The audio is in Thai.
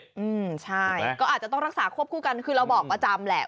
อืมใช่ก็อาจจะต้องรักษาควบคู่กันคือเราบอกประจำแหละ